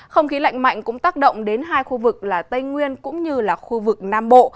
không khí lạnh mạnh cũng tác động đến hai khu vực là tây nguyên cũng như là khu vực nam bộ